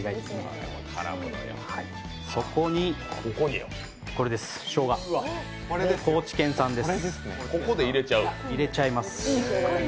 そこにしょうが、高知県産です。